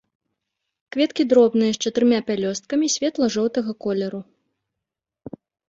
Кветкі дробныя, з чатырма пялёсткамі, светла-жоўтага колеру.